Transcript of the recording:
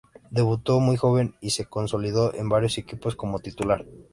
Debutó muy joven y se consolidó en varios equipos como titular.